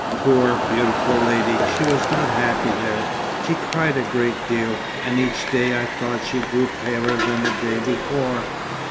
Poor, beautiful lady! She was not happy there. She cried a great deal, and each day I thought she grew paler than the day before."